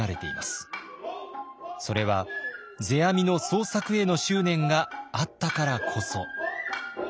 それは世阿弥の創作への執念があったからこそ。